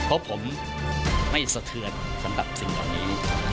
เพราะผมไม่สะเทือนสำหรับสิ่งเหล่านี้